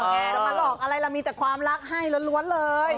จะมาหลอกอะไรล่ะมีแต่ความรักให้ล้วนเลย